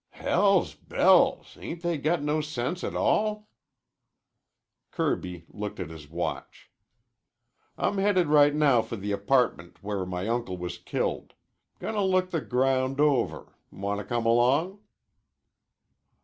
"Hell's bells! Ain't they got no sense a tall?" Kirby looked at his watch. "I'm headed right now for the apartment where my uncle was killed. Gonna look the ground over. Wanta come along?"